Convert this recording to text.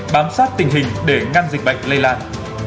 bám sát tình hình để ngăn dịch bệnh lây lan